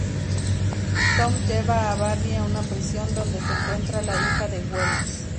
Zoom lleva a Barry a una prisión donde se encuentra la hija de Wells.